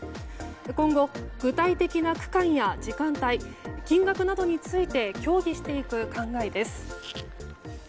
今後、具体的な区間や時間帯金額などについて協議していく考えです。